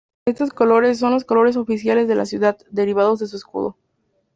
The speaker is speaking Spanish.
Estos colores son los colores oficiales de la ciudad, derivados de su escudo.